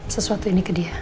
sesuatu ini ke dia apa ya bu